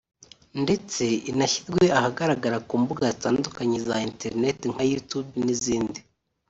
ndetse inashyirwe ahagaragara ku mbuga zitandukanye za internet nka YouTube n’izindi